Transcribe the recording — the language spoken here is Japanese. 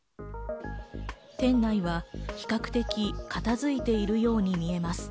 店内は比較的、片づいているように見えます。